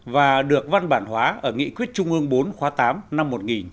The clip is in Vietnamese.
và được văn bản hóa ở nghị quyết trung ương bốn khóa tám năm một nghìn chín trăm bảy mươi